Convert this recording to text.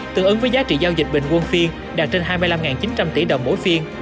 tương ứng với giá trị giao dịch bình quân phiên đạt trên hai mươi năm chín trăm linh tỷ đồng mỗi phiên